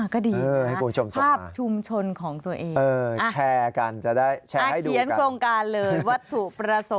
ก็ดีนะภาพชุมชนของตัวเองแชร์กันจะได้แชร์ให้ดูกันอ่าเขียนโครงการเลยว่าถูกประสงค์